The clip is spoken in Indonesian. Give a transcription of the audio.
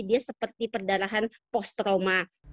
dia seperti perdarahan post trauma